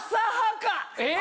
えっ！